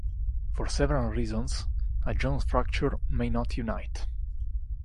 For several reasons, a Jones fracture may not unite.